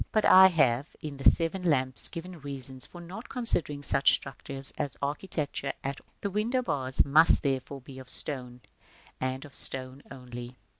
But I have, in the "Seven Lamps," given reasons for not considering such structures as architecture at all. The window bars must, therefore, be of stone, and of stone only.